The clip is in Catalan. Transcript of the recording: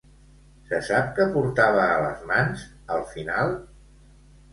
Se sap què portava a les mans, al final?